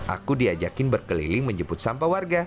aku diajakin berkeliling menjemput sampah warga